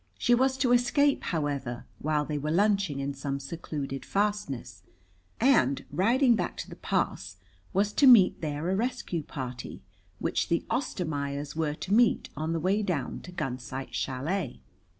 She was to escape, however, while they were lunching in some secluded fastness, and, riding back to the pass, was to meet there a rescue party, which the Ostermaiers were to meet on the way down to Gunsight Chalet.